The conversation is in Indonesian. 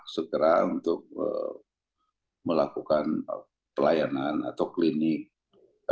segera untuk melakukan pelayanan vaksin covid sembilan belas berbayar